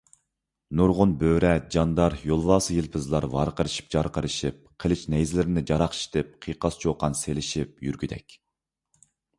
نۇرغۇن بۆرە، جاندار، يولۋاسۇيىلپىزلار ۋاقىرىشىپ - جارقىرىشىپ، قىلىچ - نەيزىلىرىنى جاراقشىتىپ، قىيقاس - چۇقان سېلىشىپ يۈرگۈدەك.